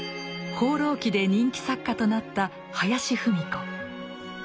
「放浪記」で人気作家となった林芙美子。